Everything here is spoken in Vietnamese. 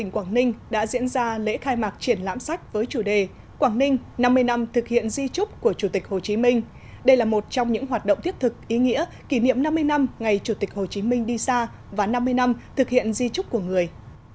quảng ninh đã diễn ra lễ khai mạc triển lãm sách với chủ đề quảng ninh năm mươi năm thực hiện di trúc của chủ tịch hồ chí minh đây là một trong những hoạt động thiết thực ý nghĩa kỷ niệm năm mươi năm ngày chủ tịch hồ chí minh đi xa và năm mươi năm thực hiện di trúc của người